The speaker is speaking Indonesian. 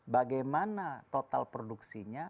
bagaimana total produksinya